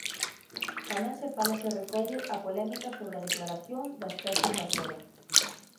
Tamén se fala e se recolle a polémica sobre a declaración da especie invasora.